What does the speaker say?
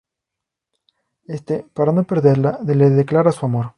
Éste, para no perderla, le declara su amor.